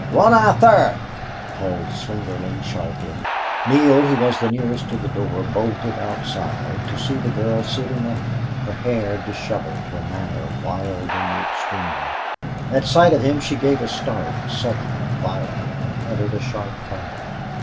"Run out thar!" called Slingerland, sharply. Neale, who was the nearest to the door, bolted outside, to see the girl sitting up, her hair disheveled, her manner wild in the extreme. At sight of him she gave a start, sudden and violent, and uttered a sharp cry.